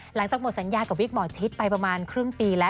หลังจากหมดสัญญากับวิกหมอชิดไปประมาณครึ่งปีแล้ว